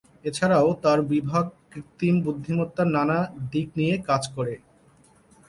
এছাড়াও তার বিভাগ কৃত্রিম বুদ্ধিমত্তার নানা দিক নিয়ে কাজ করে।